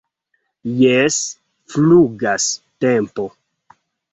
Jes, flugas tempo